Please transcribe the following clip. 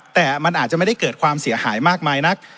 แต่มันอาจจะไม่ได้เกิดความเสียหายมากมายนัก